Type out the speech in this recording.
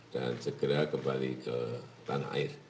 dan segera kembali ke tanah air